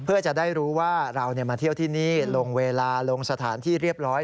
เพื่อจะได้รู้ว่าเรามาเที่ยวที่นี่ลงเวลาลงสถานที่เรียบร้อย